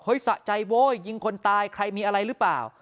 สะใจโว้ยยิงคนตายใครมีอะไรหรือเปล่า